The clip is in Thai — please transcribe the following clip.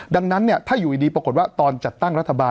ดังนั้นถ้าอยู่ดีปรากฏว่าตอนจัดตั้งรัฐบาล